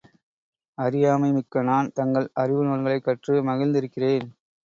அறியாமை மிக்க நான், தங்கள் அறிவுநூல்களைக்கற்று மகிழ்ந்திருக்கிறேன்.